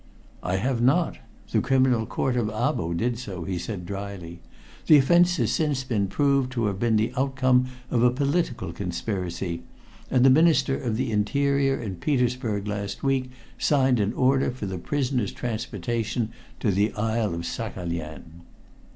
"I have not. The Criminal Court of Abo did so," he said dryly. "The offense has since been proved to have been the outcome of a political conspiracy, and the Minister of the Interior in Petersburg last week signed an order for the prisoner's transportation to the island of Saghalien."